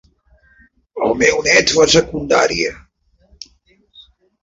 El meu net fa Secundària.